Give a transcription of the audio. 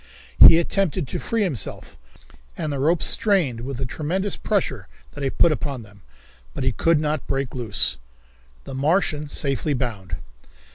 He attempted to free himself, and the ropes strained with the tremendous pressure that he put upon them, but he could not break loose. The Martian Safely Bound.